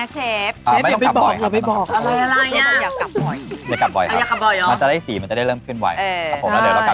สีเหลืองน้ำตาลนะเราจะเริ่มที่นี่มา